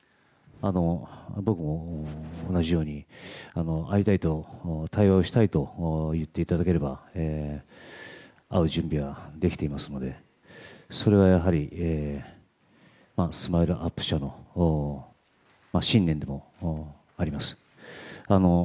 僕も同じように会いたいと、対話をしたいと言っていただければ会う準備はできていますのでそれはやはりＳＭＩＬＥ‐ＵＰ．社の信念でもあります。